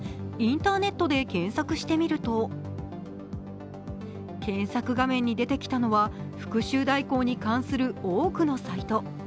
インターネットで検索してみると、検索画面に出てきたのは復しゅう代行に関する多くのサイト。